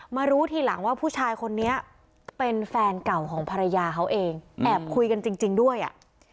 รู้ทีหลังว่าผู้ชายคนนี้เป็นแฟนเก่าของภรรยาเขาเองแอบคุยกันจริงด้วยอ่ะ